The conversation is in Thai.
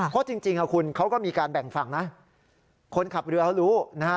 เพราะจริงคุณเขาก็มีการแบ่งฝั่งนะคนขับเรือเขารู้นะฮะ